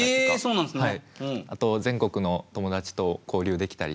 そうなんすね。